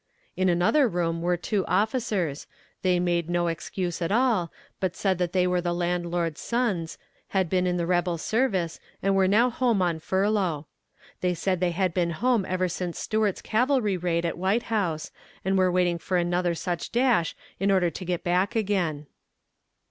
In another room were two officers; they made no excuse at all, but said that they were the landlord's sons; had been in the rebel service, and were now home on furlough. They said they had been home ever since Stuart's cavalry raid at White House, and were waiting for another such dash in order to get back again.